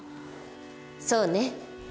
そうね。